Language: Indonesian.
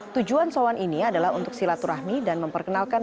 tujuan sowan ini adalah untuk silaturahmi dan memperkenalkan